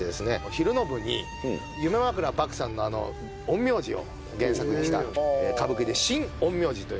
昼の部に夢枕獏さんの『陰陽師』を原作にした歌舞伎で『新・陰陽師』という。